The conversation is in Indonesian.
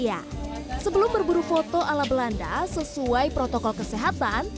ya sebelum berburu foto ala belanda sesuai protokol kesehatan